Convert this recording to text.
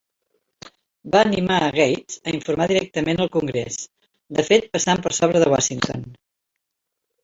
Va animar a Gates a informar directament al Congrés, de fet passant per sobre de Washington.